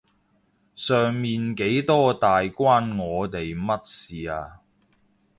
上面幾多大關我哋乜事啊？